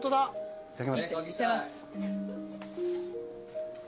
いただきます。